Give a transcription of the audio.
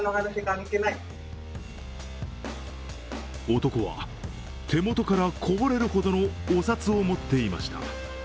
男は手元からこぼれるほどのお札を持っていました。